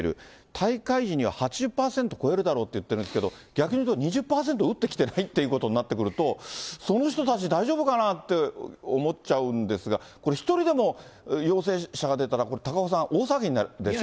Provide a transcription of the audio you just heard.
大会時には８０％超えるだろうっていってるんですけれども、逆に言うと、２０％打ってきてないということになってくると、その人たち大丈夫かなって思っちゃうんですが、これ、１人でも陽性者が出たら、高岡さん、大騒ぎになるでしょ。